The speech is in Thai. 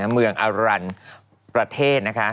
เมืองอรันประเทศนะคะ